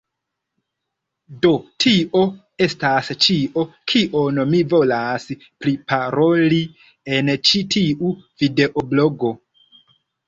Do, tio estas ĉio, kion mi volas priparoli en ĉi tiu videoblogo.